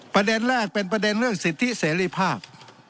ประเด็นแรกเป็นประเด็นเรื่องสิทธิเสรีภาพ